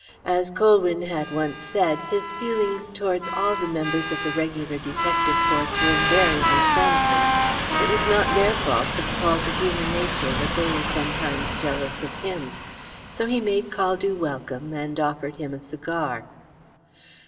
As Colwyn had once said, his feelings towards all the members of the regular detective force were invariably friendly; it was not their fault, but the fault of human nature, that they were sometimes jealous of him. So he made Caldew welcome, and offered him a cigar.